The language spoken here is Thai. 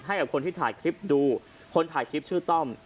ให้กับคนที่ถ่ายคลิปดูคนถ่ายคลิปชื่อต้อม